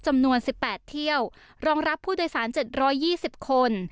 จำนวนสิบแปดเที่ยวรองรับผู้โดยสารเจ็ดร้อยยี่สิบคน